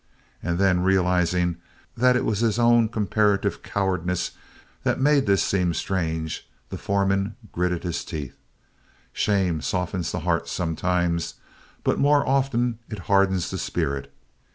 And then, realizing that it was his own comparative cowardice that made this seem strange, the foreman gritted his teeth. Shame softens the heart sometimes, but more often it hardens the spirit.